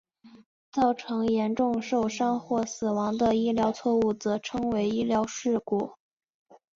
造成严重受伤或死亡的医疗错误则称为医疗事故。